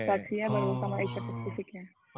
stasiunnya baru sama asia pacificnya